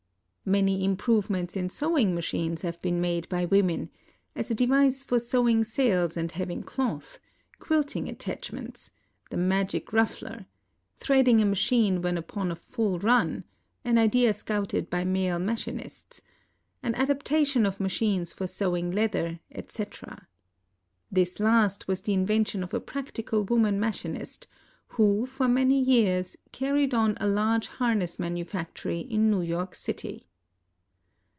Many improvements in sewing machines have been made by women ; as a device for sewing sails and heavy cloth ; quilting attachments: the magic ruffler; threading a machine when upon a full run (an idea scouted by male machinists) ; an adapta tion of machines for sewing leather, etc. This last was the in vention of a practical woman machinist, who for many years carried on a large harness manufactory in New York City.